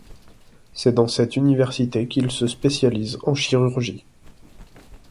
C'est dans cette université qu'il se spécialise en chirurgie.